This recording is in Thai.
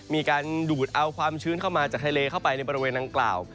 มีการดูดเอาความชื้นเข้ามาจากทะเลเข้าไปในบริเวณดังกล่าว